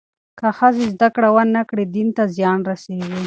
که ښځې زدهکړه ونه کړي، دین ته زیان رسېږي.